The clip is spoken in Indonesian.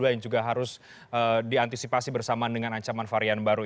yang juga harus diantisipasi bersamaan dengan ancaman varian baru